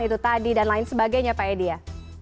itu tadi dan lain sebagainya pak edi ya